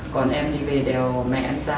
còn em đi về đèo mẹ em ra